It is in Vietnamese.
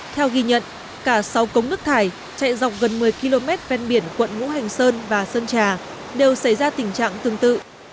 theo ghi nhận cả sáu cống nước thải chạy dọc gần một mươi km ven biển quận ngũ hành sơn và sơn trà đều xảy ra tình trạng tương tự